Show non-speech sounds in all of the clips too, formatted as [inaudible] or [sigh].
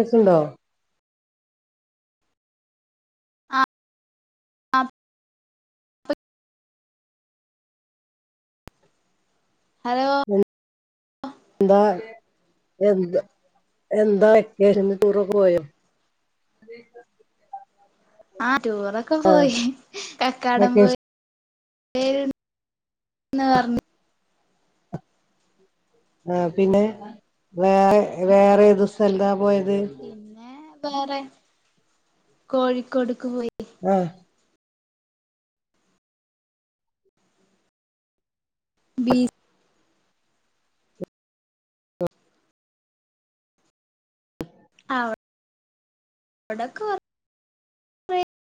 A സുണ്ടോ അ hello എന്താ എന്താ എന്താ വെക്കെഷന് ടൂർ പോയോ [unintelligible] ആ ടൂറൊക്കെ പോയി കക്കാടം പോയി വെക്കേഷൻ പേര് പറഞ്ഞ [unintelligible] ആ പിന്നെ വേറെ വേറെ ഏത് സ്ഥലതാ പോയത് പിന്നെ വേറെ അ ബീ [unintelligible]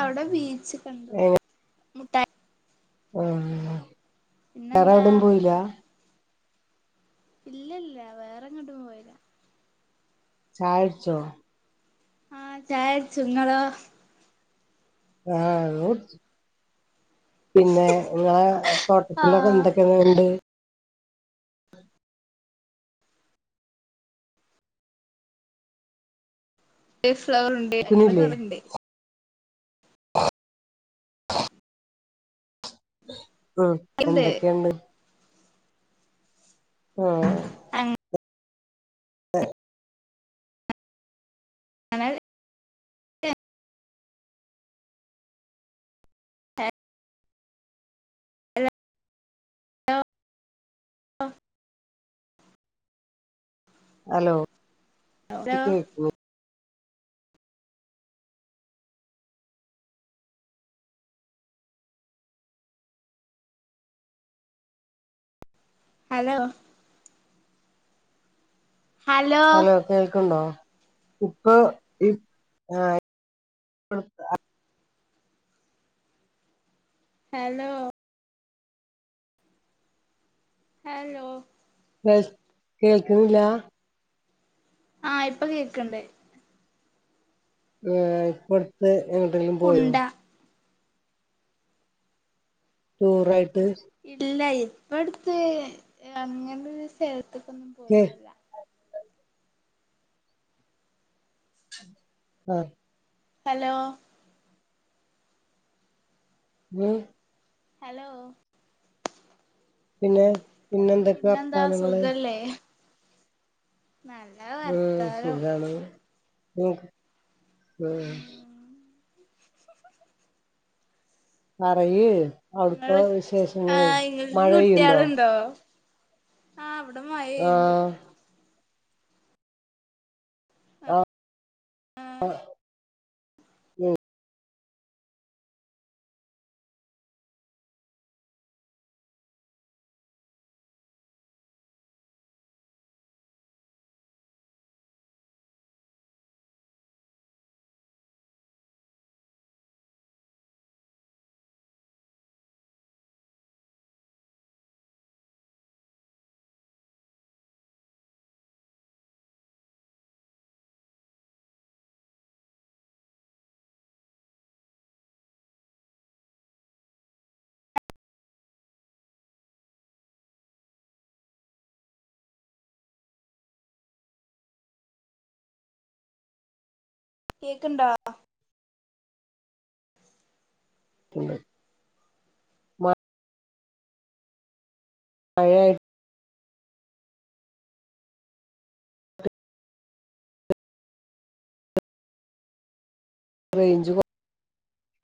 അവിടെ ബീച്ച് കണ്ടു എ മുട്ട ആ വേറെ പിന്നെന്താ എവിടും പോയില്ല ഇല്ല ഇല്ല വേറെങ്ങോട്ടും പോയില്ല ചായ ടിച്ചോ ആഹ ചായ ടിച്ചുങ്ങളോ ആഹ ഞങ്ങളിടിച്ചു പിന്നെ നിങ്ങളെ ആ തോട്ടത്തിലൊക്കെ എന്തൊക്കെയങ്ങ ഉണ്ട് ഫ്ലവർ ഉണ്ട് കേൾക്കുന്നില്ലേ അങ്ങനെക്കറുണ്ട് [unintelligible] ഉ ഉണ്ട് എന്തൊക്കെയണ്ട് ആഹ അങ് ആഹ [unintelligible] [unintelligible] ആ [inaudible] ഹലോ ഹലോ കേക്ക് ഹലോ ഹലോ സ്ഥലോ കേൾക്കണ്ടോ ഇപ്പൊ [unintelligible] ഹലോ ഹലോ കേ കേൾക്കുന്നില്ല ആഹ ഇപ്പൊ കേക്കണ്ട് ഇപ്പ അടുത്ത് എങ്ങടെെങ്കിലും പോയോ കുണ്ട ടൂറ ആയിട്ട് ഇല്ല ഇപ്പ അടുത്തെ അങ്ങന സ്േർത്ത്ക്കന്ന ഹ ല്ല ഉം ഹലോ ഉം ഹലോ പിന്നെ എന്തൊക്കെ വർത്താനങ്ങൾ േ നല് ഉം സുഖാണ്. ഉ പറയി ഇങ്ങക്ക് പെയ്യുണ്ടോ കുട്ടികളുണ്ടോ? ആഹ ഇവിടെ മഴപെയുണ്ട് ആഹ് ആഹ ആഹ് ആ ഉ കേൾക്കണ്ടോ? പിണ്ട്െ ആയായി റേഞ്ച്